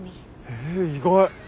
え意外。